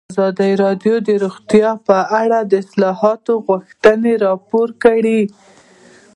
ازادي راډیو د روغتیا په اړه د اصلاحاتو غوښتنې راپور کړې.